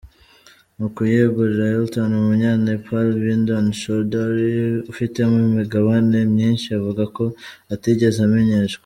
Mu kuyegurira Hilton, umunya-Nepal, Binod Chaudary, ufitemo imigabane myinshi avuga ko atigeze amenyeshwa.